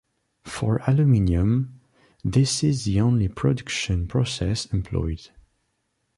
For aluminium, this is the only production process employed.